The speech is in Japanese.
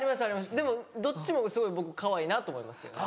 でもどっちもすごい僕かわいいなと思いますけどね。